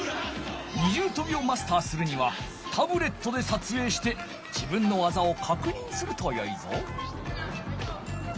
二重とびをマスターするにはタブレットでさつえいして自分の技をかくにんするとよいぞ。